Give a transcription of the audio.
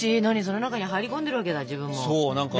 何それ中に入り込んでるわけだ自分も。